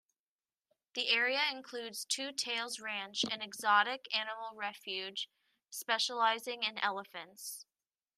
The area includes Two Tails Ranch, an exotic animal refuge specializing in elephants.